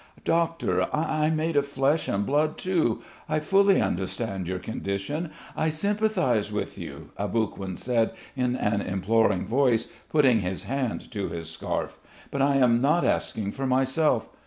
"Doctor, I'm made of flesh and blood, too. I fully understand your condition. I sympathise with you," Aboguin said in an imploring voice, putting his hand to his scarf. "But I am not asking for myself.